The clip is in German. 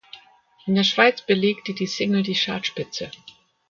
In der Schweiz belegte die Single die Chartspitze.